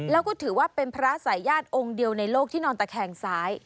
แล้วก็ถือว่าเป็นพระสายญาติองค์เดียวในโลกที่นอนตะแคงซ้าย